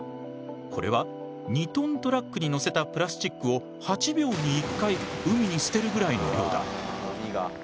これは２トントラックに載せたプラスチックを８秒に１回海に捨てるぐらいの量だ。